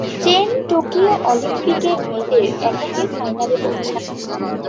Chain Tokyo অলিম্পিকের মেয়েদের এককে ফাইনালে পৌঁছান।